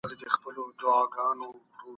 آیا لیکل د فکر په روښانۍ کې مرسته کوي؟